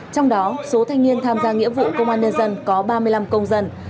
trong đó số thanh niên tham gia nghĩa vụ công an nhân dân có ba mươi năm công dân